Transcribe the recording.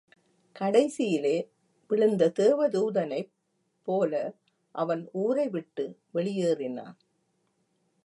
கடைசியிலே, விழுந்த தேவதூனை ப் போல அவன் ஊரைவிட்டு வெளியேறினான்.